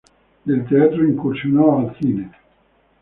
Del teatro incursionó al cine.